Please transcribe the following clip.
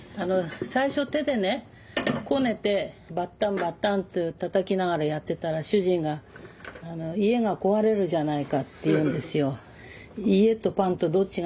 最初手でねこねてバッタンバッタンってたたきながらやってたら主人が家が壊れるじゃないかって言うんですよ。